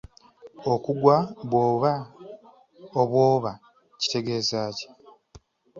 Okuggwa obw'oba kitegeeza ki?